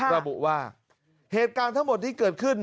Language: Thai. ระบุว่าเหตุการณ์ทั้งหมดที่เกิดขึ้น